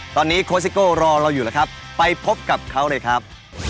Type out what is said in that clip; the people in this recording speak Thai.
ตอนนี้โค้ซิโก้รอเราอยู่แล้วครับไปพบกับเขาเลยครับ